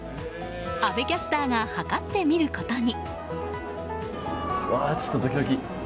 阿部キャスターが計ってみることに。